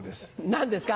何ですか？